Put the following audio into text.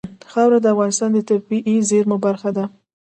خاوره د افغانستان د طبیعي زیرمو برخه ده.